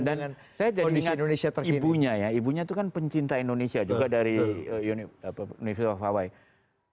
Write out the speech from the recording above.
dan saya jadi ingat ibunya ya ibunya itu kan pencinta indonesia juga dari universitas hawaii